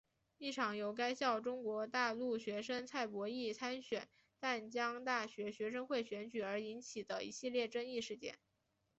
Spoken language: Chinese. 一场由该校中国大陆学生蔡博艺参选淡江大学学生会选举而引起的一系列争议事件。